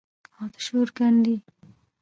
او د شور ګنډي